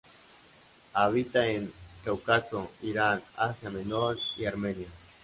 Habita en Cáucaso, Irán, Asia Menor y en Armenia.